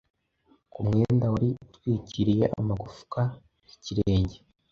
ku mwenda wari utwikiriye amagufwa y’ikirenge